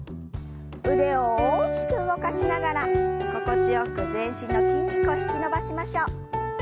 腕を大きく動かしながら心地よく全身の筋肉を引き伸ばしましょう。